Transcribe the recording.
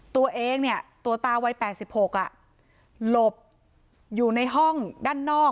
ตัวเองเนี่ยตัวตาวัย๘๖หลบอยู่ในห้องด้านนอก